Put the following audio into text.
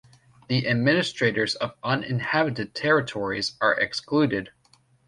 The administrators of uninhabited territories are excluded.